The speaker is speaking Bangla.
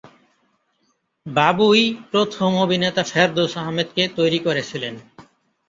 বাবুই প্রথম অভিনেতা ফেরদৌস আহমেদ কে তৈরি করেছিলেন।